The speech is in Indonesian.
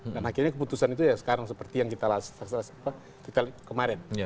dan akhirnya keputusan itu ya sekarang seperti yang kita kemarin